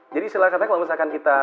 jadi silahkan kalau misalkan kita